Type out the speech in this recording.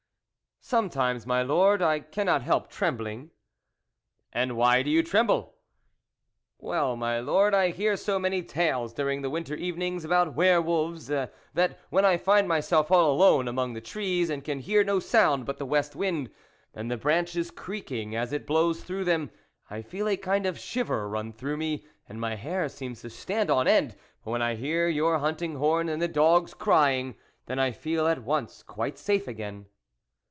" "Sometimes, my Lord, I cannot help trembling." ;. And why do you tremble ?" "Well, my Lord, I hear so many tales, during the winter evenings, about were wolves, that when I find myself all alone among the trees, and can hear no sound but the west wind, and the branches creaking as it blows through them, I feel a kind of shiver run through me, and my hair seems to stand on end ; but when I hear your hunting horn and the dogs crying, then I feel at once quite safe again."